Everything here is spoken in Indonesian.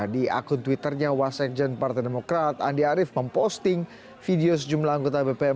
di akun twitternya wasekjen partai demokrat andi arief memposting video sejumlah anggota bpm